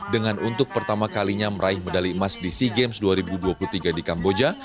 dengan untuk pertama kalinya meraih medali emas di sea games dua ribu dua puluh tiga di kamboja